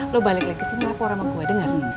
lo balik balik kesini lapor sama gue denger